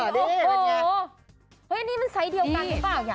นี่มันไซส์เดียวกันหรือเปล่า